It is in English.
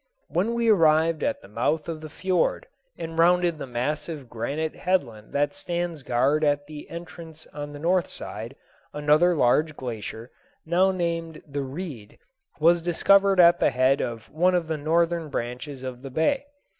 When we arrived at the mouth of the fiord, and rounded the massive granite headland that stands guard at the entrance on the north side, another large glacier, now named the Reid, was discovered at the head of one of the northern branches of the bay.